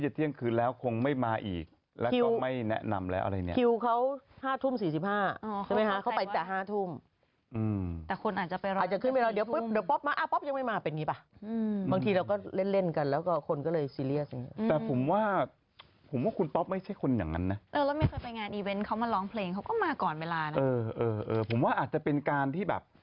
เหมือนมีคนพูดออกมาว่าแบบเหมือนมีน้ำร่องไปซ้ายไปอะไรอย่างนี้